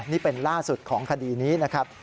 นี่เป็นล่าสุดของคดีนี้นะครับ